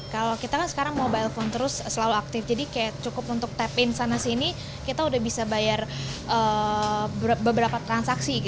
kalau kita kan sekarang mobile phone terus selalu aktif jadi kayak cukup untuk tap in sana sini kita udah bisa bayar beberapa transaksi